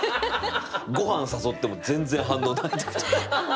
ごはん誘っても全然反応ないとか。